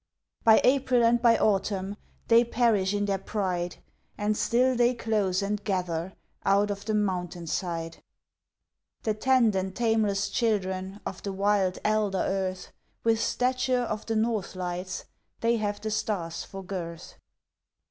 By April and by autumn They perish in their pride, And still they close and gather Out of the mountain side. The tanned and tameless children Of the wild elder earth, With stature of the northlights, They have the stars for girth.